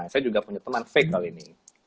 saya juga punya teman fake kali ini